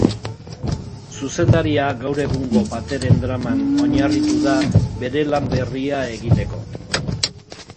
Zuzendaria gaur egungo pateren draman oinarritu da bere lan berria egiteko.